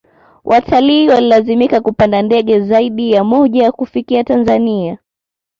watalii walilazimika kupanda ndege zaidi ya moja kufika tanzania